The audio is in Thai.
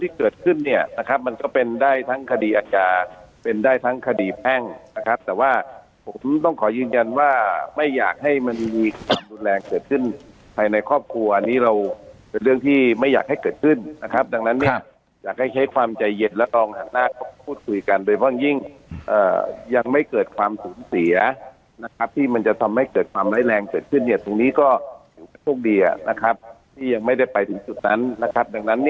สิ่งที่เกิดขึ้นเนี่ยนะครับมันก็เป็นได้ทั้งคดีอาจารย์เป็นได้ทั้งคดีแพ่งนะครับแต่ว่าผมต้องขอยืนยันว่าไม่อยากให้มันมีความร้ายแรงเกิดขึ้นในครอบครัวอันนี้เราเป็นเรื่องที่ไม่อยากให้เกิดขึ้นนะครับดังนั้นเนี่ยอยากให้ใช้ความใจเย็ดและลองหันหน้าพูดคุยกันโดยบ้างยิ่งยังไม่เกิดความสูงเสียนะคร